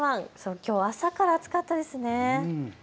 きょうは朝から暑かったですね。